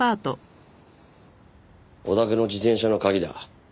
お宅の自転車の鍵だ。